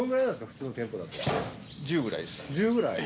普通の店舗だと１０ぐらい？